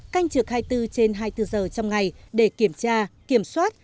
canh trực hai mươi bốn trên hai mươi bốn giờ trong ngày để kiểm tra kiểm soát